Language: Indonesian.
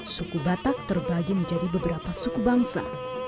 suku batak terbagi menjadi beberapa suku bangsa